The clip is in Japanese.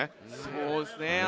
そうですね。